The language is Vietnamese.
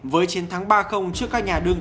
với chiến thắng ba trước các nhà đường